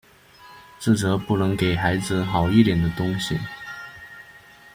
自责不能给孩子好一点的东西